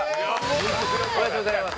おめでとうございます。